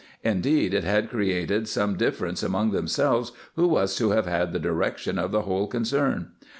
Indeed it had created some difference among themselves who was to have had the direction of the whole concern.